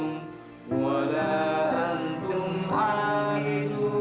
mual nah crawwa tud mesmo